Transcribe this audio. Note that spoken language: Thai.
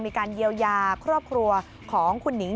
มีการเยียวยาครอบครัวของคุณหนิง